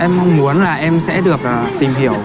em mong muốn là em sẽ được tìm hiểu